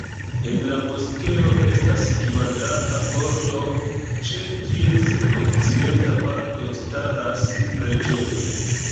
En la moskeo estas kvadrata korto, ĉe kies okcidenta parto staras preĝejo.